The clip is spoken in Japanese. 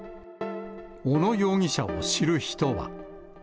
小野容疑者を知る人は。